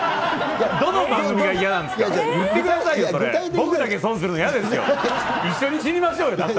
どの番組が嫌なんですか？